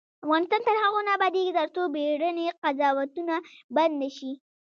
افغانستان تر هغو نه ابادیږي، ترڅو بیړني قضاوتونه بند نشي.